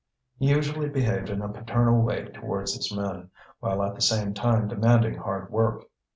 He usually behaved in a paternal way towards his men, while at the same time demanding hard work.